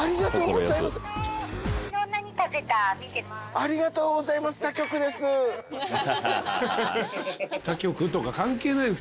ありがとうございます。